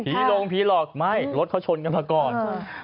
ลงผีหลอกไม่รถเขาชนกันมาก่อน